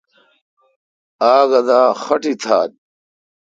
آگہ دا خوٹی تھال۔